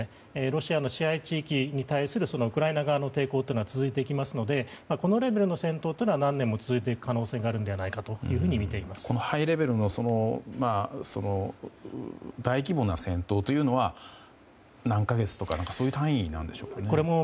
ロシアの支配地域に対するウクライナ側の抵抗は続いていきますのでこのレベルの戦闘は何年も続いていく可能性がハイレベルの大規模な戦闘というのは何か月とかそういう単位なんでしょうか。